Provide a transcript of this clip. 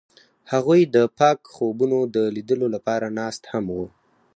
هغوی د پاک خوبونو د لیدلو لپاره ناست هم وو.